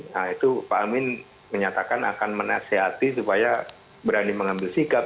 nah itu pak amin menyatakan akan menasehati supaya berani mengambil sikap